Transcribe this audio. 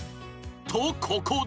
［とここで］